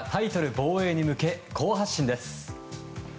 防衛に向け好発進です。